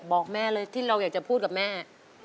บอกแม่เลยที่เราอยากจะพูดกับแม่